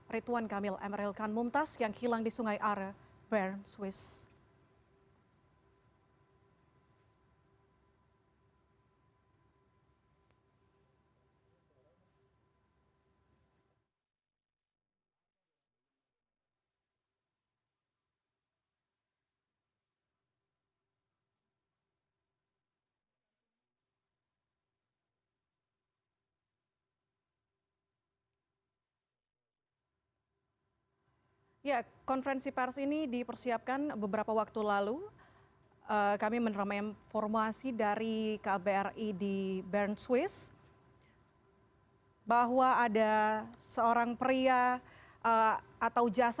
rituan kamil emeril kanmumtas yang hilang di sungai are bern swiss